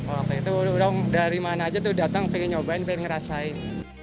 waktu itu orang dari mana aja tuh datang pengen nyobain pengen ngerasain